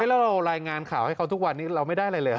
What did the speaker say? แล้วเรารายงานข่าวให้เขาทุกวันนี้เราไม่ได้อะไรเลยเห